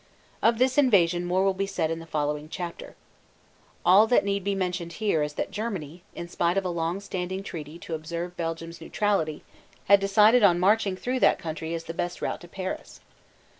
Of this invasion more will be said in the following chapter. All that need be mentioned here is that Germany, in spite of a long standing treaty to observe Belgium's neutrality, had decided on marching through that country as the best route to Paris.